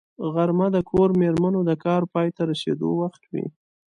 غرمه د کور مېرمنو د کار پای ته رسېدو وخت وي